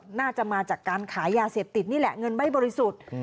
น่าจะมาจากการขายยาเสพติดนี่แหละเงินไม่บริสุทธิ์